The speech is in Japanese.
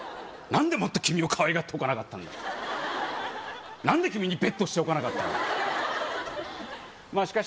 何でもっと君をかわいがっておかなかったんだ何で君にＢＥＴしておかなかったんだまあ